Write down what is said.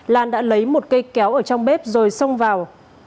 lan đã lấy một cây kéo ở trong bếp rồi xông vào